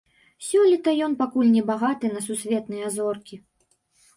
Сёлета ён пакуль не багаты на сусветныя зоркі.